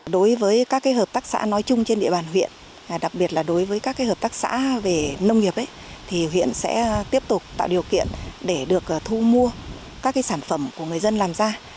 đối với các hợp tác xã nói chung trên địa bàn huyện đặc biệt là đối với các hợp tác xã về nông nghiệp thì huyện sẽ tiếp tục tạo điều kiện để được thu mua các sản phẩm của người dân làm ra